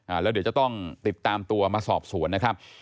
แล้วเดี๋ยวจะต้องติดตามตัวมาสอบสวนนะครับ